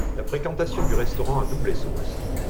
La fréquentation du restaurant a doublé ce mois-ci.